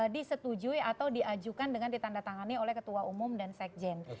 disetujui atau diajukan dengan ditandatangani oleh ketua umum dan sekjen